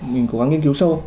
mình có nghiên cứu sâu